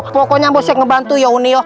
pokoknya ambo siap ngebantu ya uni yoh